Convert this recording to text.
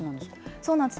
そうなんです。